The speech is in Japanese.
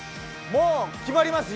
もう決まります